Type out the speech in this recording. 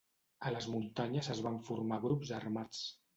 A les muntanyes es van formar grups armats.